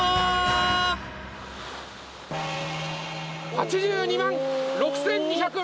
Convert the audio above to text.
８２万６，２６５円です。